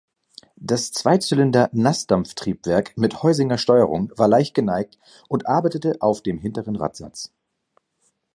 Das Zweizylinder-Naßdampftiebwerk mit Heusinger-Steuerung war leicht geneigt und arbeitete auf den hinteren Radsatz.